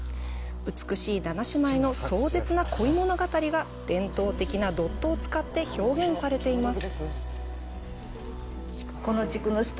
美しい七姉妹の壮絶な恋物語が伝統的なドットを使って表現されています。